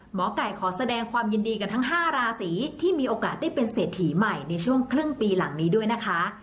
หมอไก่ขอแสดงความยินดีกับทั้ง๕ราศีที่มีโอกาสได้เป็นเศรษฐีใหม่ในช่วงครึ่งปีหลังนี้ด้วยนะคะ